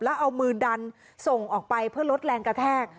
แล้วเอามือดันส่งออกไปเพื่อลดแรงกระแทก